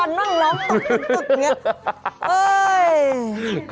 ตึก